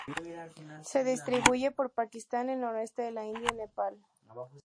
Se distribuye por Pakistán, el noroeste de la India y Nepal.